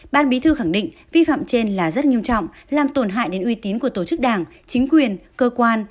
ban bí thư khẳng định vi phạm trên là rất nghiêm trọng làm tổn hại đến uy tín của tổ chức đảng chính quyền cơ quan